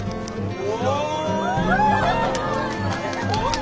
お！